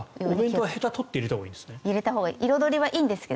お弁当はへたを取って入れたほうがいいんですね。